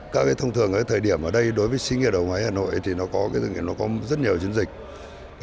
các thông thường ở thời điểm ở đây đối với sĩ nghiệp đầu máy hà nội thì nó có rất nhiều chiến dịch